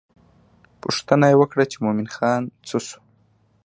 پوښتنه یې وکړه مومن خان څه شو.